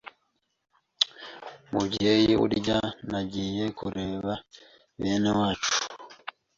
Mubyeyi, burya nagiye kureba bene wacu